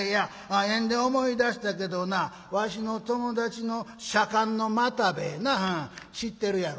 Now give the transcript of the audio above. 縁で思い出したけどなわしの友達の左官の又兵衛なあ知ってるやろ？」。